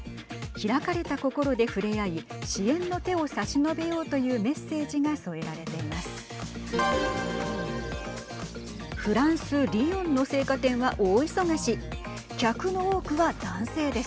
開かれた心で触れ合い支援の手を差し伸べようというメッセージが添えられています。